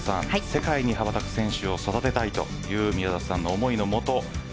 世界に羽ばたく選手を育てたいという宮里さんの思いのもと